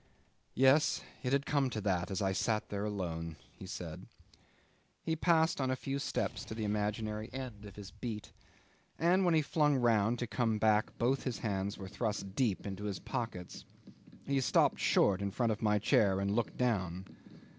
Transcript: "Yes, it had come to that as I sat there alone," he said. He passed on a few steps to the imaginary end of his beat, and when he flung round to come back both his hands were thrust deep into his pockets. He stopped short in front of my chair and looked down.